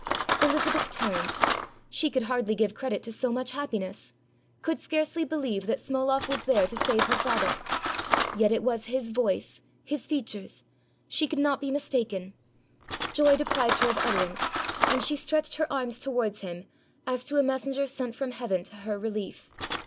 Elizabeth turned: she could hardly give credit to so much happiness; could scarcely beheve that Smoloff was 178 HOW PARDON WAS WON FOR AN EXILE there to save her father. Yet it was his voice, his fea tures; she could not be mistaken. Joy deprived her of utterance, and she stretched her arms towards him, as to a messenger sent from Heaven to her relief.